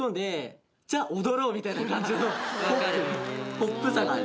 ポップさがある。